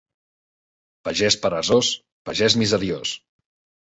Pagès peresós, pagès miseriós.